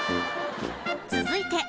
［続いて］